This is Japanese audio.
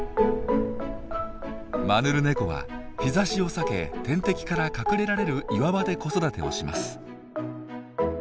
マヌルネコは日ざしを避け天敵から隠れられる岩場で子育てをします。